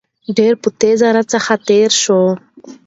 ډېر په تېزى راڅخه تېر شو.